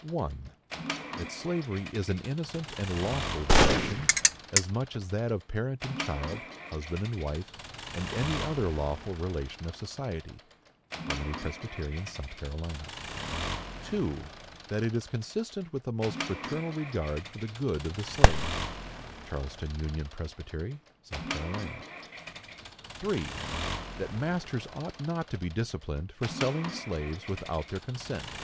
1. That slavery is an innocent and lawful relation, as much as that of parent and child, husband and wife, or any other lawful relation of society. (Harmony Pres., S. C.) 2. That it is consistent with the most fraternal regard for the good of the slave. (Charleston Union Pres., S. C.) 3. That masters ought not to be disciplined for selling slaves without their consent.